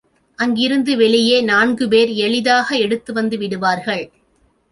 அங்கிருந்து வெளியே நான்கு பேர் எளிதாக எடுத்து வந்து விடுவார்கள்.